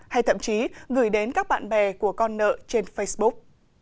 hay thậm chí gửi đến các bạn bè của con nợ trên facebook